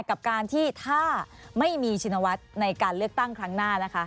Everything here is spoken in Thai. กับการที่ถ้าไม่มีชินวัฒน์ในการเลือกตั้งครั้งหน้านะคะ